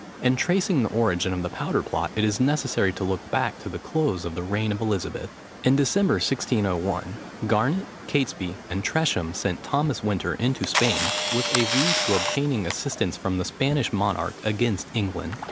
In tracing the origin of the powder plot it is necessary to look back to the close of the reign of Elizabeth. In December, 1601, Garnet, Catesby, and Tresham sent Thomas Winter into Spain, with a view to obtaining assistance from the Spanish monarch against England.